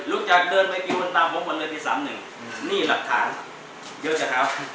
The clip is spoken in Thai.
รู้จักเดินไปฟิวตามผมวันเลือดที่๓๑นี่หลักฐานเยอะจังครับ